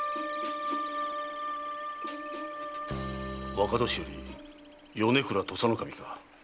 若年寄・米倉土佐守か。